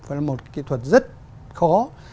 và là một kỹ thuật rất khó